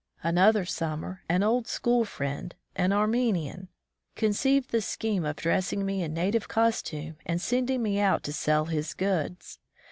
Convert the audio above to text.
Another summer, an old school friend, an Armenian, con ceived the scheme of dressing me in native costume and sending me out to sell his goods.